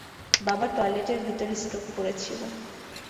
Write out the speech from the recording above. বাবা টয়লেটের ভিতরে স্ট্রোক করেছিল।